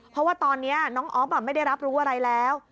เพราะว่าตอนนี้น้องอ๊อฟไม่ได้รับรู้อะไรแล้ว